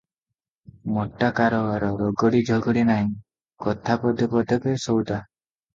ମୋଟା କାରବାର, ରଗଡ଼ି ଝଗଡ଼ି ନାହିଁ; କଥା ପଦ ପଦକେ ସଉଦା ।